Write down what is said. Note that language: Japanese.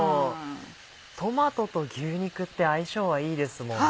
トマトと牛肉って相性はいいですもんね。